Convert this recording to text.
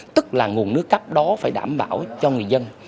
tức là nguồn nước cấp đó phải đảm bảo cho người dân